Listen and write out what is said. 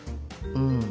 うん。